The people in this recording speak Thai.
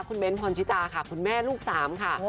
คุณเบ้นพรชิตาค่ะคุณแม่ลูกสามค่ะ